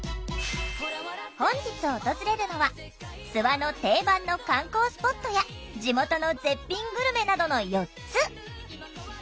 本日訪れるのは諏訪の定番の観光スポットや地元の絶品グルメなどの４つ。